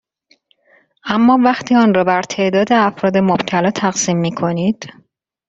اما وقتی آن را بر تعداد افراد مبتلا تقسیم میکنید